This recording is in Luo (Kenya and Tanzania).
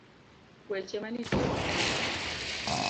Weche manitie e kanisa